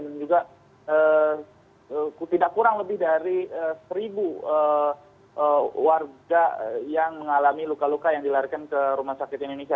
dan juga tidak kurang lebih dari satu warga yang mengalami luka luka yang dilarikan ke rumah sakit indonesia